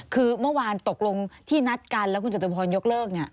คือเมื่อวานตกลงที่นัดกันแล้วคุณจตุพรยกเลิก